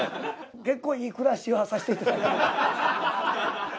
結構いい暮らしはさせていただいております。